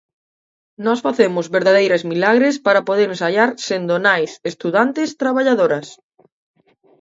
Nós facemos verdadeiras milagres para poder ensaiar sendo nais, estudantes, traballadoras.